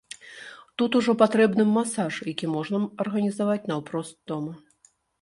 Тут ужо патрэбны б масаж, які можна арганізаваць наўпрост дома.